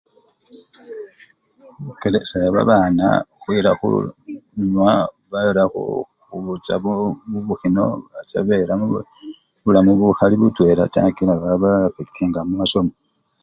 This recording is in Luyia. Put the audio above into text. Bikelesela babana bela khunywa bela mu! khubucha mubukhino bacha bela mubulamu bukhali butwela taa kila bu! ba! afectinga mumasomo u!.